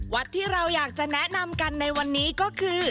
ที่เราอยากจะแนะนำกันในวันนี้ก็คือ